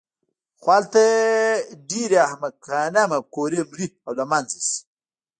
خو هلته ډېرې احمقانه مفکورې مري او له منځه ځي.